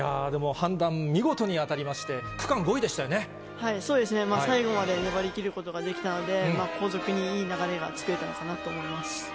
でも判断、見事に当たりましそうですね、最後まで粘り切ることができたので、後続にいい流れが作れたのかなと思います。